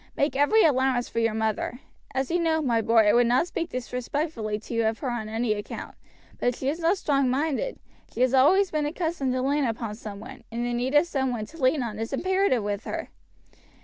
Make every allowance for your mother; as you know, my boy, I would not speak disrespectfully to you of her on any account; but she is not strong minded. She has always been accustomed to lean upon some one, and the need of some one to lean on is imperative with her.